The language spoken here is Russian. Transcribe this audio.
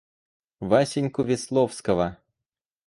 Васеньку Весловского.